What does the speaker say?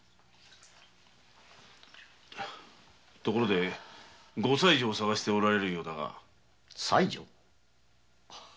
ところでご妻女を捜しておられるようだが。